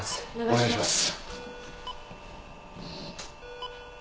お願いします。